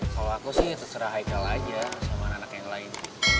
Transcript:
kalau aku sih terserah hikal aja sama anak anak yang lain